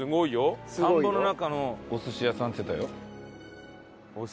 田んぼの中のお寿司屋さんっつってたよ。